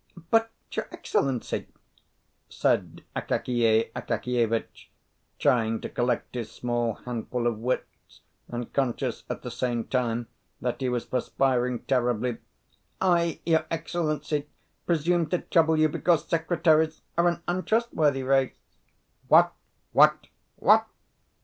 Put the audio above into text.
"But, your excellency," said Akakiy Akakievitch, trying to collect his small handful of wits, and conscious at the same time that he was perspiring terribly, "I, your excellency, presumed to trouble you because secretaries are an untrustworthy race." "What, what, what!"